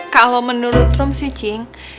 kalo menurut rom sih cing